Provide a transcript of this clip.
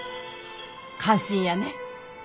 感心やね。